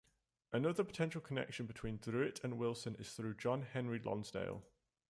Another potential connection between Druitt and Wilson is through John Henry Lonsdale.